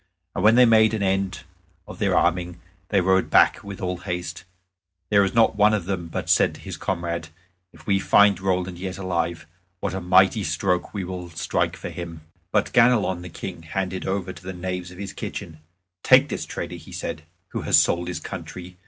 And when they made an end of their arming they rode back with all haste. There was not one of them but said to his comrade, "If we find Roland yet alive, what mighty strokes will we strike for him!" But Ganelon the King handed over to the knaves of his kitchen. "Take this traitor," said he, "who has sold his country."